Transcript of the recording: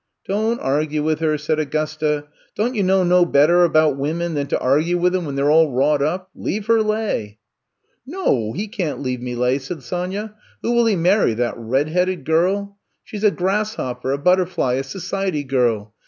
Don' argue with her," said Augusta. *^Don' you know no better about wimen than to argue with 'em when they 're all wrought upt Leave her lay." I'VE COME TO STAY 69 *^No, he can*t leave me lay,'* said Sonya. *^Who will he marry — ^that red headed girlt She 's a grasshopper, a butterfly, a society girl.